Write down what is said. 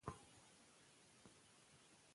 د پلار واکۍ نظریه پر بنسټ د حکومت اصل بنیاد کورنۍ ده.